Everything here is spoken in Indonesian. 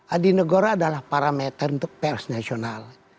adi negora adalah parameter untuk pers nasional